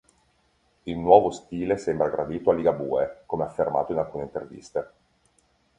Il nuovo stile sembra gradito a Ligabue, come affermato in alcune interviste.